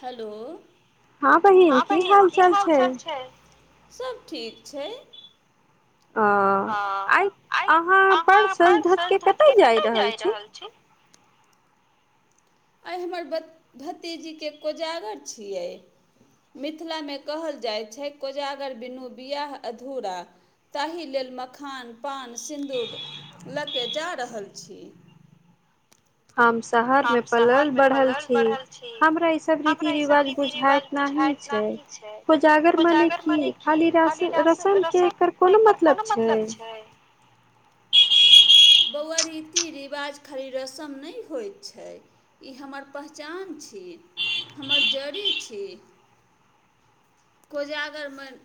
Hello हँ बहिन की हाल चाल छै सभ ठीक छै अ ह आइ अहाँ पर सज धज के कतय जाय रहल छी आइ हमर भ भतीजी के कोजागर छियै मिथिलामे कहल जाइ छै कोजागर बिनू बियाह अधूरा ताहि लेल मखान पान सिन्दूर लऽ कऽ जा रहल छी [inaudible] हम शहर मे हम पलल शहरमे बढ़ल पलल छी बढ़ल हमरा ई सब रीति हमरा ई सब रिवाज रीति रिवाज बुझात नाहि बुझाइत नहि छै उजागर मने की खाली रसम के एकर कोनो मतलब छै सब छै ह बौउआ रीति रिवाज खाली रस्म नहि होत छै ई हमर पहचान छी हमर जड़ी छी कोजागर्मन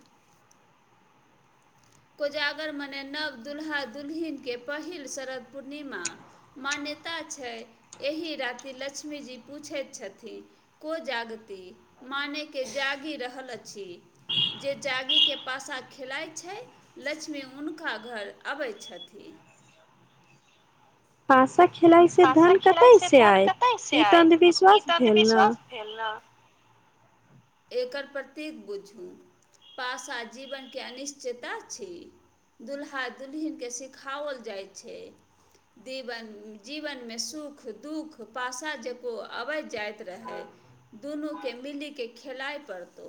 कोजागर मने नव दुल्हा दुल्हिन के पहिल शरद पूर्णिमा मान्य नेता छै एहि राति लक्ष्मीजी पूछैत छथिन को जागति मानेके जागी रहल अछि जे जागीे के पासा खेलाइत छै लक्ष्मी हुनका घर अबै छथिन हँ स खेलाइ से धन खेलाइ कतय से धन कतय आयत से ई तऽ आयत? ई अंधविश्वास त भेल ने अंधविश्वास भेल न। [unintelligible] एकर प्रतीक बुझू पास आ जीवनके अनिश्चता छी दुल्हा दुलहिनके सिखाओल जाइत छै दीवन जीवनमे सुख दुःख पासा जेको अबैत जाइत रहै दुनूके मिलीके खेलाइ पड़तौ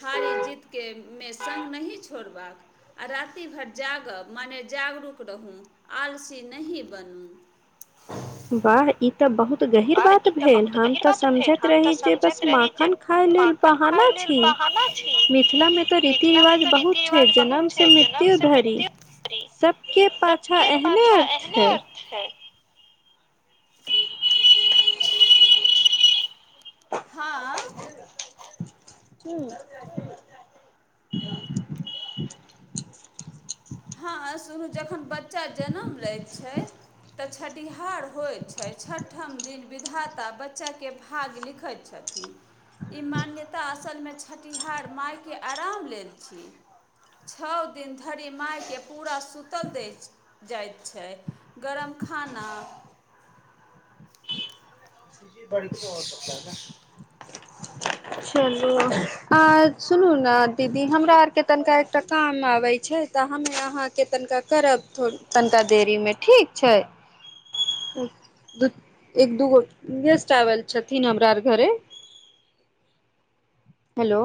हारी जीतके मे सङ्ग नहि छोड़बाक आ राति भरि जागब मने जागरूक रहू आलसी नहि बनू वाह ई तऽ बहुत गहींर वाह, बात ई त भेल बहुत हम गहींर तऽ बात भेल। समझैत हम त रही जे बस समझैत रही जे माखन खाय लेल माखन खाय बहाना लेल छी बहाना अछि। मिथिला मे तऽ रीति मिथिलामे रिवाज तऽ रीति बहुत छै रिवाज बहुत जनम से छै जन्म मृत्यु से धरि मृत्यु धरि सबके पाछा सबके एहने पाछा अर्थ एहने है अर्थ है हँ ह हँ सुनू जखन बच्चा जनम लैत छै तऽ छ तटिहार होइत छै छठम दिन विधाता बच्चाके भाग लिखैत छथिन ई मान्यता असलमे छठिहार मायके आराम लेल छी छओ दिन धरि मायके पूरा सूतल दै जाइत छै गरम खाना [unintelligible] बड़ हो स चलू अ सुनू ने दीदी हमरा आर के तनिका एकटा काम आबे तऽ हमे अहाँके तनिका करब तनिका देरी मे ठीक छै द एक दू गो गेस्ट आवल छथिन हमरा आर घरे हेलो